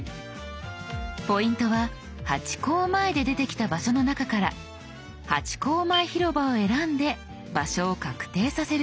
ポイントは「ハチ公前」で出てきた場所の中から「ハチ公前広場」を選んで場所を確定させること。